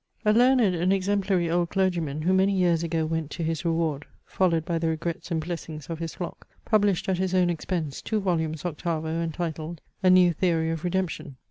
A learned and exemplary old clergyman, who many years ago went to his reward followed by the regrets and blessings of his flock, published at his own expense two volumes octavo, entitled, A NEW THEORY OF REDEMPTION.